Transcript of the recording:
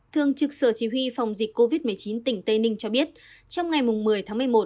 thường trực sở chỉ huy phòng dịch covid một mươi chín tỉnh tây ninh cho biết trong ngày một mươi tháng một mươi một